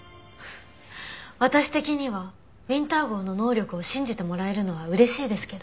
私的にはウィンター号の能力を信じてもらえるのは嬉しいですけど。